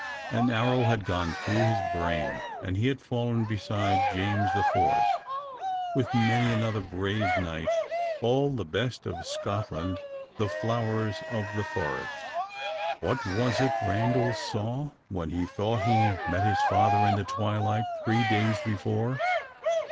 An arrow had gone through his brain, and he had fallen beside James IV., with many another brave knight, all the best of Scotland, the Flowers of the Forest. What was it Randal saw, when he thought he met his father in the twilight, three days before?